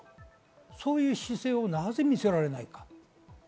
そういう姿勢をなぜ見せられないのか。